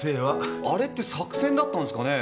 あれって作戦だったんすかね？